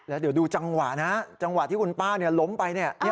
แล้วเดี๋ยวดูจังหวะนะจังหวะที่คุณป้าล้มไปเนี่ย